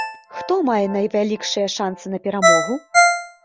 Хто мае найвялікшыя шанцы на перамогу?